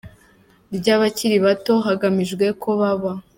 ry’abakiri bato, hagamijwe ko baba.